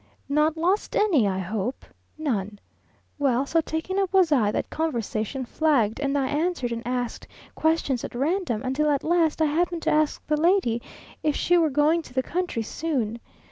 "Not lost any, I hope?" "None." Well, so taken up was I, that conversation flagged, and I answered and asked questions at random, until, at last, I happened to ask the lady if she were going to the country soon.